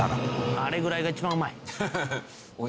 「あれぐらいが一番うまい」